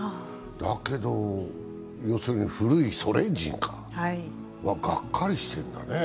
だけど、要するに古いソ連人はがっかりしているんだね。